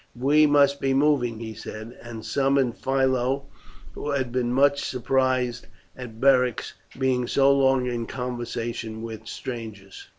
"We must be moving," he said, and summoned Philo, who had been much surprised at Beric's being so long in conversation with strangers.